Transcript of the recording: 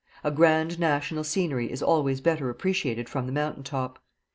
A grand natural scenery is always better appreciated from the mountain top.